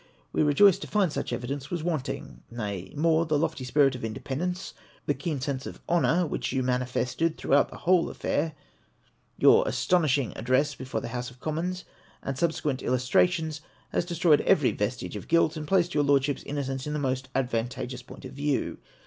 We rejoice to find such evidence was wanting; nay, more, the lofty spirit of independence, the keen sense of honour, which you manifested throughout the wdiole affair; your astonishing address before the House of Commons, and sub sequent illustrations, has destroyed every vestige of guilt, and placed your Lordship's innocence in the most advantageous point of view.